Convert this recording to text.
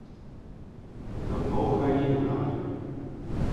Dat mogen wij niet toelaten.